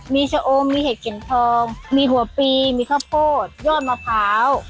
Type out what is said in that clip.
มีชะอมมีเห็ดเข็มทองมีหัวปีมีข้าวโพดยอดมะพร้าว